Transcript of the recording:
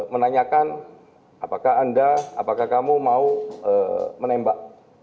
menanyakan apakah anda apakah kamu mau menembak